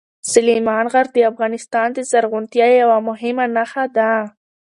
سلیمان غر د افغانستان د زرغونتیا یوه مهمه نښه ده.